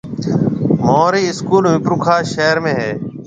مهارِي اسڪول ميرپورخاص شهر ۾ هيَ۔